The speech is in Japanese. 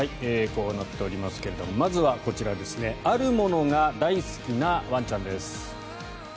こうなっておりますけどもまずは、こちらあるものが大好きなワンちゃんです。